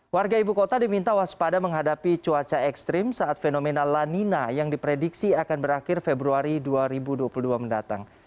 warga ibu kota diminta waspada menghadapi cuaca ekstrim saat fenomena lanina yang diprediksi akan berakhir februari dua ribu dua puluh dua mendatang